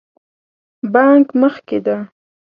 بانک مخکې ده